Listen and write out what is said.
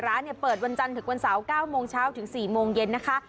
เปิดวันจันทร์ถึงวันเสาร์๙โมงเช้าถึง๔โมงเย็นนะคะ